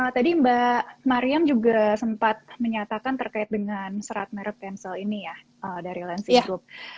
tadi mbak mariam juga sempat menyatakan terkait dengan serat merek tensel ini ya dari lansia group